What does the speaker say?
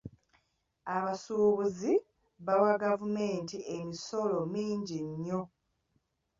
Abasuubuzi bawa gavumenti emisolo mingi nnyo.